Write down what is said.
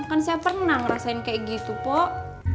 kan saya pernah ngerasain kayak gitu pok